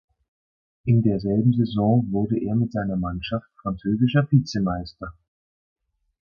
In derselben Saison wurde er mit seiner Mannschaft französischer Vizemeister.